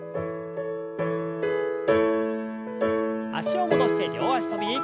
脚を戻して両脚跳び。